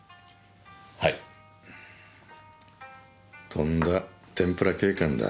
とんだてんぷら警官だ。